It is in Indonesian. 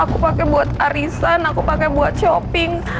aku pakai buat arisan aku pakai buat shopping